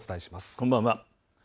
こんばんは。